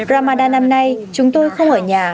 ramadan năm nay chúng tôi không ở nhà